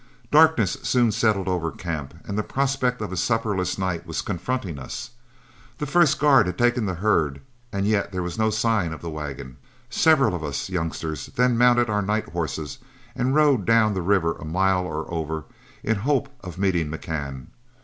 Darkness soon settled over camp, and the prospect of a supperless night was confronting us; the first guard had taken the herd, and yet there was no sign of the wagon. Several of us youngsters then mounted our night horses and rode down the river a mile or over in the hope of meeting McCann.